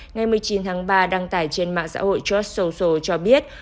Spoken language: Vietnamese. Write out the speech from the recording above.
ngày một mươi chín tháng ba đăng tải trên mạng xã hội charts social cho biết